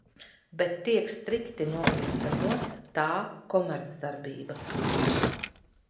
Bet tiek strikti nogriezta nost tā komercdarbība.